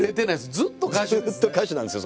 ずっと歌手なんですよ